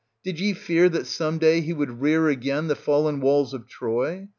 Did ye fear that some day he would rear again the fallen walls of Troy?